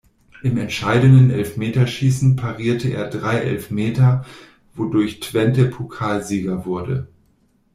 Im entscheidenden Elfmeterschießen parierte er drei Elfmeter, wodurch Twente Pokalsieger wurde.